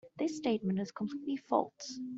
This statement is completely false.